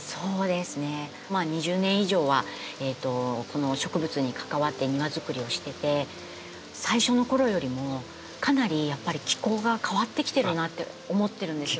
まあ２０年以上はこの植物に関わって庭づくりをしてて最初のころよりもかなりやっぱり気候が変わってきてるなって思ってるんですよ。